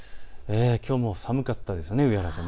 きょうも寒かったですね。